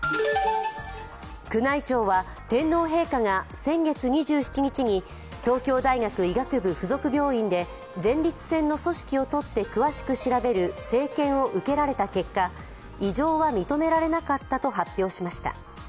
宮内庁は天皇陛下が先月２７日に東京大学医学部附属病院で前立腺の組織を取って詳しく調べる生検を受けられた結果、異常は認められなかったと発表しました。